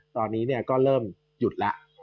ตอนนี้ก็เริ่มหยุดแล้ว